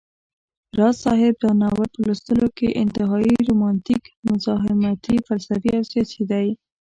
راز صاحب دا ناول په لوستلو کي انتهائى رومانتيک، مزاحمتى، فلسفى او سياسى دى